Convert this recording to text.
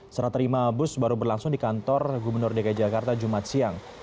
serah terima bus baru berlangsung di kantor gubernur dki jakarta jumat siang